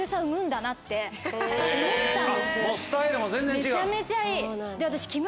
めちゃめちゃいい。